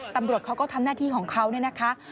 ตำรวจเขาก็ทำหน้าที่ของเขาเนี่ยนะคะ